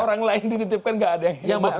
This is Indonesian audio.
kalau orang lain dititipkan gak ada yang heboh